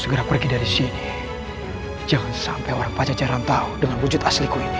segera pergi dari sini jangan sampai orang pajajaran tahu dengan wujud asliku ini